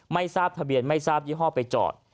ไม่ทราบทะเบียนไม่ทราบยี่ห้อไปจอด